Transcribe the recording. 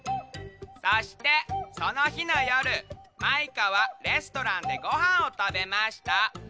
そしてそのひのよるマイカはレストランでごはんをたべました。